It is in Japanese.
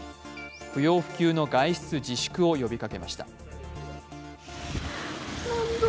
不要不急の外出自粛を呼びかけました。